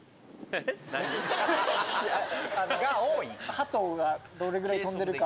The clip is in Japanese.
ハトがどれぐらい飛んでるか。